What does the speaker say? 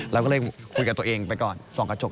เราก็เลยคุยกับตัวเองไปก่อนส่องกระจก